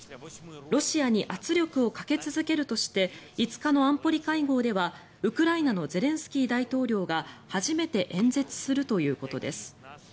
ロシアに圧力をかけ続けるとして５日の安保理会合ではウクライナのゼレンスキー大統領が初めて演説するということです。